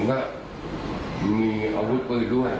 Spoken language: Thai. ก็มีอาวุธปืนด้วย